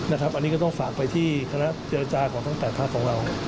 อันนี้ก็ต้องฝากไปที่คณะเจรจาของทั้ง๘ภาคของเรา